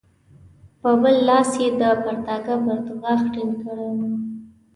په بل لاس یې د پرتاګه پرتوګاښ ټینګ کړی وو.